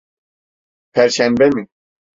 Perşembe mi?